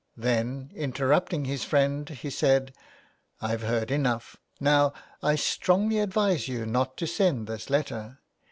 Then^ interrupting his friend, he said :—'' I've heard enough. Now, I strongly advise you not to sen'd this letter.